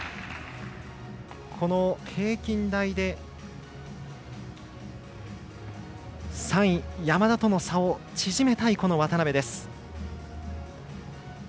この平均台で３位、山田との差を縮めたい渡部です。